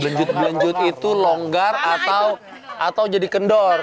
benjut benjut itu longgar atau jadi kendor